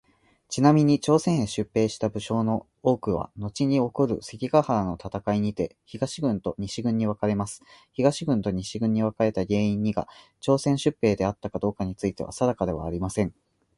ちなみに、朝鮮へ出兵した武将の多くはのちに起こる関ヶ原の戦いにて東軍と西軍に分かれます。東軍と西軍に分かれた原因にが朝鮮出兵であったかどうかについては定かではありません。